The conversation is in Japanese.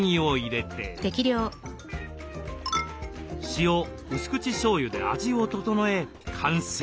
塩薄口しょうゆで味を調え完成。